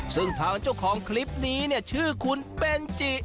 ซึ่งทางเจ้าของคลิปนี้เนี่ยชื่อคุณเบนจิ